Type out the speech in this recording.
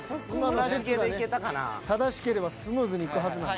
今の説がね正しければスムーズにいくはずなんで。